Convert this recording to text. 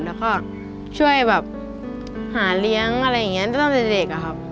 แล้วก็ช่วยแบบหาเลี้ยงอะไรอย่างนี้ตั้งแต่เด็กอะครับ